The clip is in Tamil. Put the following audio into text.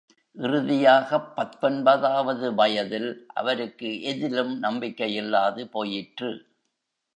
இறுதியாகப் பத்தொன்பதாவது வயதில், அவருக்கு எதிலும் நம்பிக்கையில்லாது போயிற்று.